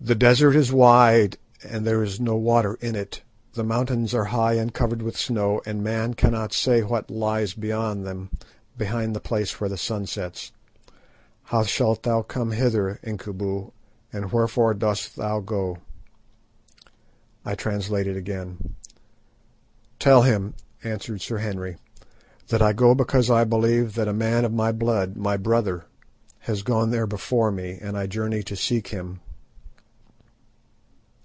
"The desert is wide and there is no water in it, the mountains are high and covered with snow, and man cannot say what lies beyond them behind the place where the sun sets; how shalt thou come thither, Incubu, and wherefore dost thou go?" I translated again. "Tell him," answered Sir Henry, "that I go because I believe that a man of my blood, my brother, has gone there before me, and I journey to seek him."